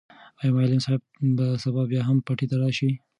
آیا معلم صاحب به سبا بیا هم پټي ته راشي؟